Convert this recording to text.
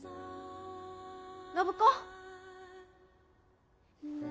暢子！